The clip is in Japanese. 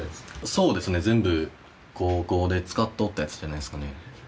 そうですね全部高校で使っとったやつじゃないですかね